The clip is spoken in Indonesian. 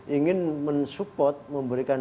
ingin mensupport memberikan